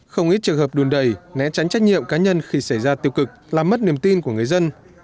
không ít trường hợp đùn đầy né tránh trách nhiệm cá nhân khi xảy ra tiêu cực làm mất niềm tin của người dân